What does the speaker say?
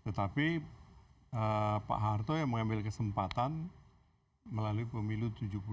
tetapi pak harto yang mengambil kesempatan melalui pemilu tujuh puluh empat